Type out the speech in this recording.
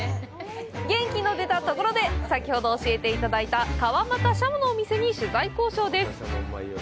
元気の出たところで、先ほど教えていただいた「川俣シャモ」のお店に取材交渉です。